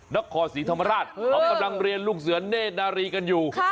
นครศรีธรรมราชเขากำลังเรียนลูกเสือเนธนารีกันอยู่